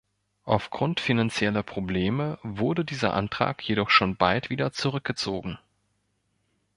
Aufgrund finanzieller Probleme wurde dieser Antrag jedoch schon bald wieder zurückgezogen.